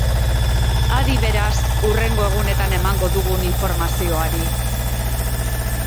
Adi, beraz, hurrengo egunetan emango dugun informazioari.